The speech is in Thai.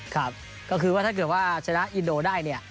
ครับก็คือว่าถ้าเกิดว่าชนะอินโดได้เนี่ย